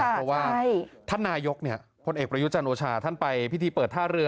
เพราะว่าท่านนายกพลเอกประยุจันทร์โอชาท่านไปพิธีเปิดท่าเรือ